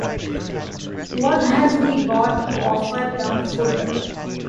What has he got to offer them food?